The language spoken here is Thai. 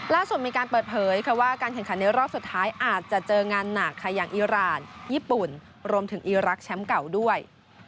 ล่าสุดมีการเปิดเผยค่ะว่าการแข่งขันในรอบสุดท้ายอาจจะเจองานหนักค่ะอย่างอีรานญี่ปุ่นรวมถึงอีรักษ์แชมป์เก่าด้วย